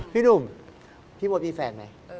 พี่หนุ่มพี่มดมีแฟนไหม